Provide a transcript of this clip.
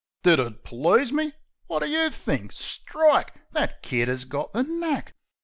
Did it please me? Wot do you think? Strike! That kid 'as got the knack !